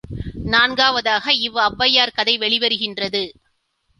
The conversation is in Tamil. நான்காவதாக இவ் ஒளவையார் கதை வெளி வருகின்றது.